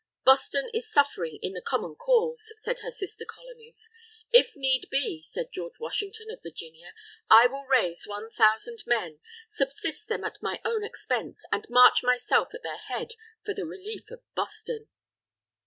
"Boston is suffering in the common cause," said her sister Colonies. "If need be," said George Washington of Virginia, "I will raise one thousand men, subsist them at my own expense, and march myself at their head, for the relief of Boston."